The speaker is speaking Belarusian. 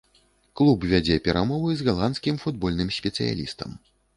Клуб вядзе перамовы з галандскім футбольным спецыялістам.